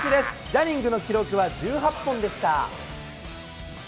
ジャニングの記録は１８本でした。